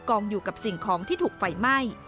อยู่กับสิ่งของที่ถูกไฟไหม้